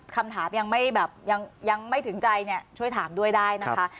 คำถามยังไม่ถึงใจช่วยถามด้วยได้นะคะ